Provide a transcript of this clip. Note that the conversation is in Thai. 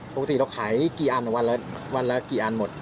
ปกติเราขายกี่อันวันละกี่อันหมด